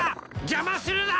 邪魔するな！